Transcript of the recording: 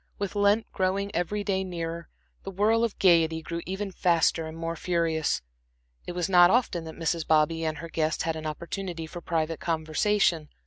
With Lent growing every day nearer, the whirl of gaiety grew ever faster and more furious. It was not often that Mrs. Bobby and her guest had an opportunity for private conversation.